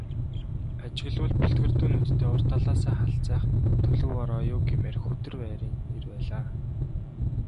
Ажиглавал бүлтгэрдүү нүдтэй урд талаасаа халзайх төлөв ороо юу гэмээр, хүдэр байрын эр байлаа.